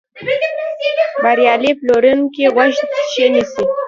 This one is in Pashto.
بریالی پلورونکی غوږ ښه نیسي.